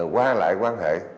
qua lại quan hệ